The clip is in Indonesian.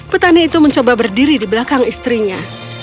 petani itu mencoba berdiri di belakang istrinya